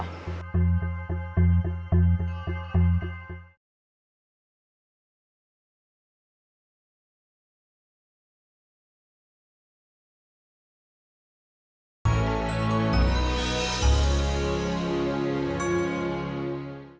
sampai jumpa di video selanjutnya